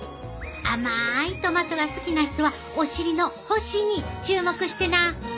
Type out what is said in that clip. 甘いトマトが好きな人はお尻の星に注目してな！